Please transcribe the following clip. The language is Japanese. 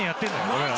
俺ら。